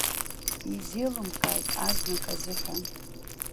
Изеилымкааит азнык азыҳәан.